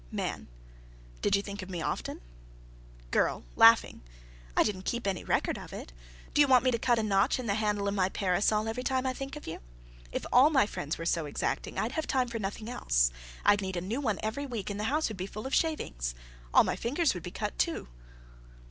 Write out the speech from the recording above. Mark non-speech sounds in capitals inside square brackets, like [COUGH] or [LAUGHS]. MAN. "Did you think of me often?" GIRL. [LAUGHS] "I didn't keep any record of it. Do you want me to cut a notch in the handle of my parasol every time I think of you? If all my friends were so exacting, I'd have time for nothing else. I'd need a new one every week and the house would be full of shavings. All my fingers would be cut, too."